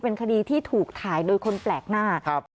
เป็นคดีที่ถูกถ่ายโดยคนแปลกหน้าครับ